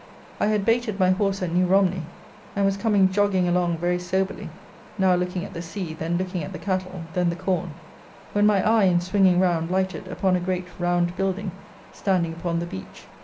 I had baited my horse at New Romney, and was coming jogging along very soberly, now looking at the sea, then looking at the cattle, then the corn, when my eye, in swinging round, lighted upon a great round building standing upon the beach.